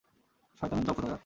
শয়তানের দল কোথাকার!